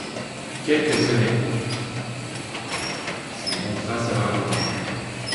Quelques semaines plus tard son contrat sera rompu.